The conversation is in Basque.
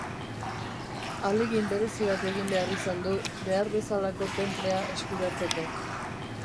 Ahalegin berezi bat egin behar izan du, behar bezalako tenplea eskuratzeko.